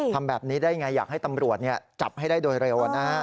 ทำแบบนี้ได้ไงอยากให้ตำรวจจับให้ได้โดยเร็ว